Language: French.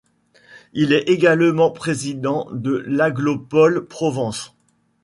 Il est également président de l'Agglopole Provence.